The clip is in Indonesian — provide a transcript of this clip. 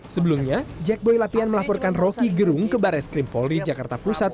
sebelumnya jack boy lapian melaporkan roky gerung ke barai skrimpol di jakarta pusat